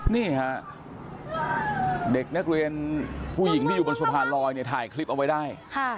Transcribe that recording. นี่ฮะเด็กนักเรียนผู้หญิงที่อยู่บนสะพานลอยเนี่ยถ่ายคลิปเอาไว้ได้